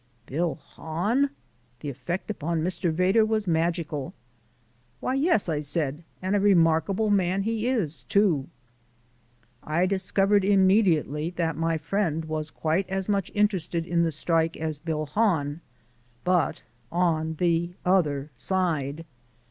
"Bill Hahn!" The effect upon Mr. Vedder was magical. "Why, yes," I said, "and a remarkable man he is, too." I discovered immediately that my friend was quite as much interested in the strike as Bill Hahn, but on the other side.